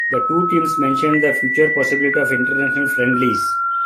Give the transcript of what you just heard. The two teams mentioned the future possibility of international friendlies.